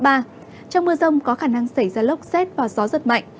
trong mưa rông có khả năng xảy ra lốc xét và gió giật mạnh